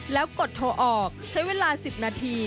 แล้วกดโทรออกใช้เวลา๑๐นาที